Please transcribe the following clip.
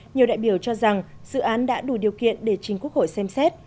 nhiều đại biểu cho rằng dự án đã đủ điều kiện để chính quốc hội xem xét